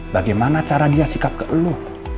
bagaimana cara dia sikap ke eluh